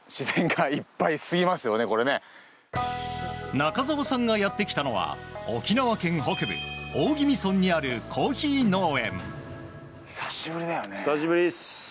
中澤さんがやってきたのは沖縄県北部大宜味村にあるコーヒー農園。